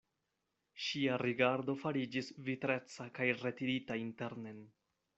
Ŝia rigardo fariĝis vitreca kaj retirita internen.